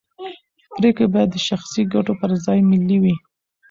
پرېکړې باید د شخصي ګټو پر ځای ملي وي